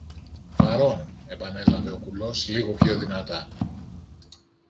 Παρών! επανέλαβε ο κουλός λίγο πιο δυνατά